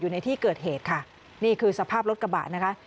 ในที่เกิดเหตุค่ะนี่คือสภาพรถกระบะนะคะ